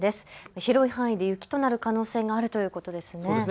広い範囲で雪となる可能性があるということですね。